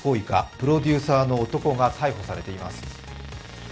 プロデューサーの男が逮捕されています。